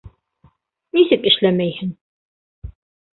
Нисек эшләмәйһең?